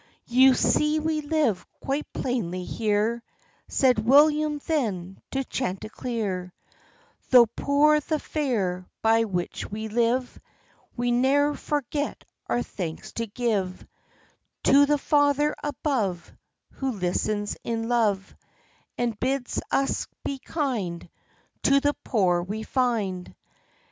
"You see we live quite plainly here," Said William then to Chanticleer; "Though poor the fare by which we live, We ne'er forget our thanks to give To the Father above, Who listens in love, And bids us be kind To the poor we find.